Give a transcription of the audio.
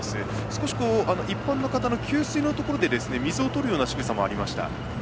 少し、一般の方の給水のところで水を取るしぐさもありました。